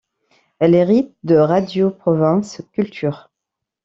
Elle hérite de Radio Provence Culture.